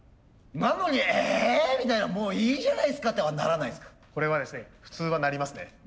なのに「え！」みたいな「もういいじゃないっすか」とはならないんですか？これはですね普通はなりますね。